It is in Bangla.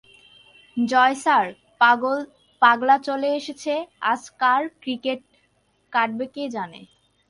জয় স্যার, পাগলা চলে এসেছে আজ কার টিকেট কাটবে কে জানে?